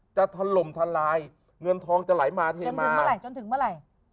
จะทะลุทะลายเงินทองจะไหลมาเทมาจนถึงเมื่อไหร่